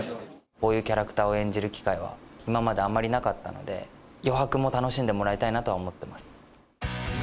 こういうキャラクターを演じる機会は今まであんまりなかったので余白も楽しんでもらいたいなとは思ってます